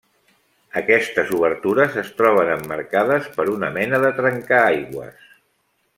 Aquestes obertures es troben emmarcades per una mena de trencaaigües.